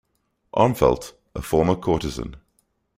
Armfeldt, a former courtesan.